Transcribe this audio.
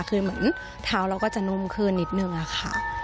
คือเหมือนเท้าเราก็จะนุ่มขึ้นนิดนึงอะค่ะ